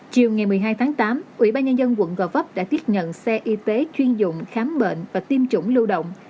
chiều ngày một mươi hai tháng tám ubnd quận gò bóp đã tiếp nhận xe y tế chuyên dùng khám bệnh và tiêm chủng lưu động